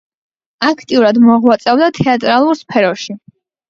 აქტიურად მოღვაწეობდა თეატრალურ სფეროში.